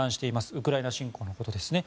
ウクライナ侵攻のことですね。